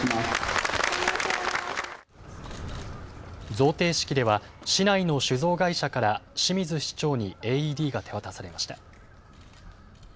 贈呈式では市内の酒造会社から清水市長にＡＥＤが手渡されました。